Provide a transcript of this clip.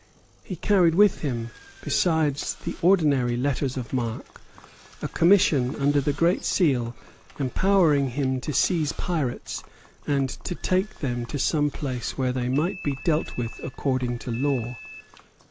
He carried with him, besides the ordinary letters of marque, a commission under the Great Seal empowering him to seize pirates, and to take them to some place where they might be dealt with according to law.